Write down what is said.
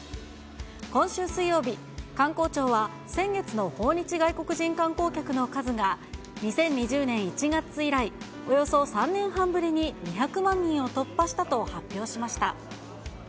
今週水曜日、観光庁は先月の訪日外国人観光客の数が、２０２０年１月以来、およそ３年半ぶりに２００万人を突破したと発表しました。